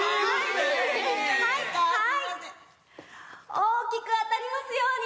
大きく当たりますように。